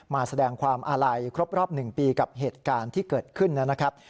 มาแสดงความอาลัยครบรอบ๑ปีกับเหตุการณ์ที่เกิดขึ้นนะครับ